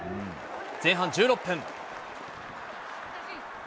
前半１６分。